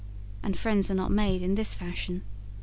And friends are not made in this fashion.